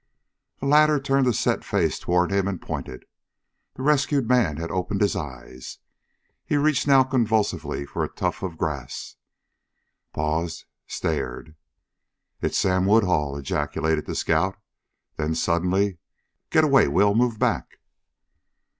The latter turned a set face toward him and pointed. The rescued man had opened his eyes. He reached now convulsively for a tuft of grass, paused, stared. "Hit's Sam Woodhull!" ejaculated the scout. Then, suddenly, "Git away, Will move back!"